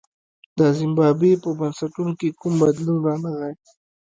د زیمبابوې په بنسټونو کې کوم بدلون رانغی.